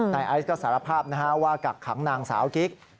ไอซ์ก็สารภาพว่ากักขังนางสาวกิ๊ก